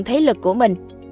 thế lực của mình